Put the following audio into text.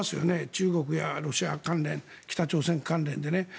中国やロシア関連北朝鮮関連でね。